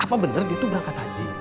apa beneran itu berangkat aja